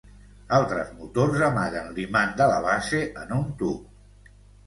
Altres motors amaguen l'imant de la base en un tub.